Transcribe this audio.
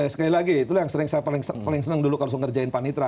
sekali lagi itu yang paling senang dulu kalau saya ngerjain panitera